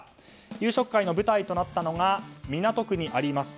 夕食会の舞台となったのが港区にあります